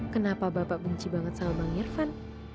kenapa bapak benci banget sama bang irfan